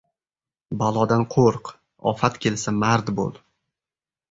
• Balodan qo‘rq, ofat kelsa mard bo‘l.